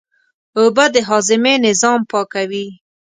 اوبه د هاضمې نظام پاکوي